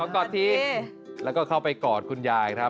กลับไปกรอดคุณยายครับ